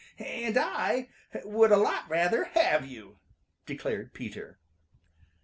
"And I would a lot rather have you," declared Peter. V.